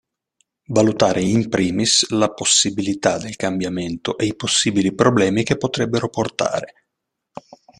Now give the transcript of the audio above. Valutare in primis la possibilità del cambiamento e i possibili problemi che potrebbero portare.